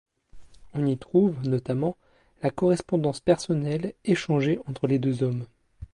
On y trouve, notamment, la correspondance personnelle échangée entre les deux hommes.